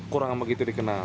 kurang begitu dikenal